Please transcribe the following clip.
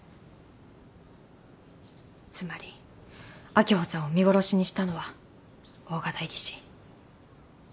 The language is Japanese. つまり秋穂さんを見殺しにしたのは大賀代議士。